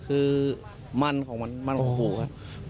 คือมันของมันปูครับ